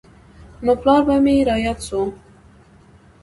نو پلار به مې راياد سو.